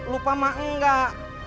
lupa mah nggak